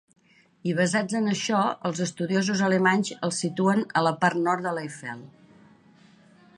I "basats en això, els estudiosos alemanys els situen a la part nord de l'Eifel".